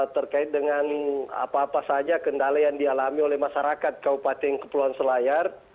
terkait dengan apa apa saja kendalaian dialami oleh masyarakat kaupating kepulauan selayar